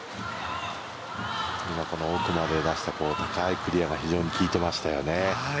奥まで出していく、高いクリアが非常に効いてましたよね